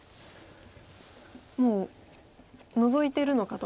もうノゾいてるのかと。